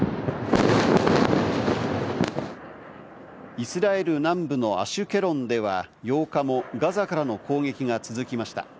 イスラエル南部のアシュケロンでは８日もガザからの攻撃が続きました。